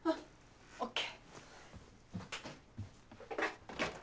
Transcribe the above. ＯＫ。